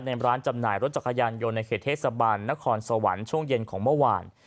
ในร้านจำหน่ายรถจักรยานยนต์ในเขตเทศบาลนครสวรรค์ช่วงเย็นของเมื่อวาน